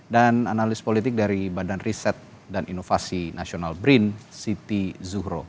dan analis politik dari badan riset dan inovasi nasional brin siti zuhro